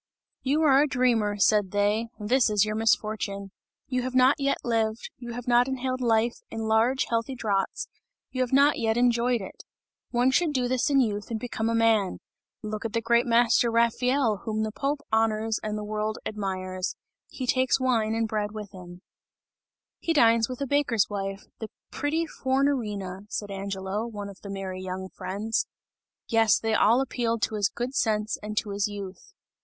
"You are a dreamer," said they, "this is your misfortune! You have not yet lived, you have not inhaled life in large healthy draughts, you have not yet enjoyed it. One should do this in youth and become a man! Look at the great master Raphael whom the Pope honours and the world admires, he takes wine and bread with him." "He dines with the baker's wife, the pretty Fornarina!" said Angelo, one of the merry young friends. Yes, they all appealed to his good sense and to his youth.